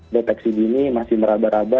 deteksi dini masih meraba raba